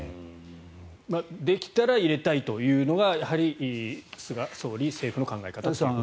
できたら入れたいというのがやはり菅総理、政府の考え方ということですね。